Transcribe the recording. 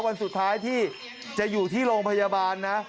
วันสุดท้ายที่จะอยู่ที่โรงพยาบาลนะ